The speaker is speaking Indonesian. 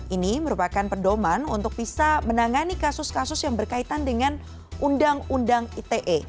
ini merupakan pedoman untuk bisa menangani kasus kasus yang berkaitan dengan undang undang ite